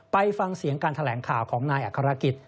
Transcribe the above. ไปฟังเสียงการแถลงข่าวของนายอัครกิจ